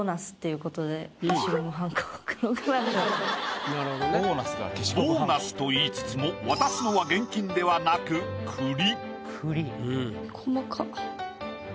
いうことでボーナスと言いつつも渡すのは現金ではなく栗。